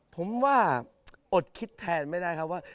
ผมว่าอดคิดแทนไม่ได้ครับว่า